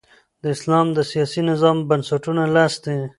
د اسلام د سیاسي نظام بنسټونه لس دي.